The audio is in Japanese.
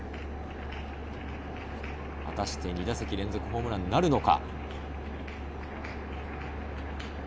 果たして２打席連続ホームランなるのか。